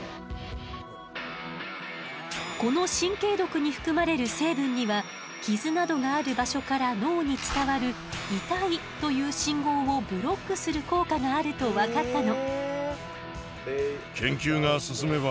この神経毒に含まれる成分には傷などがある場所から脳に伝わる「痛い」という信号をブロックする効果があると分かったの。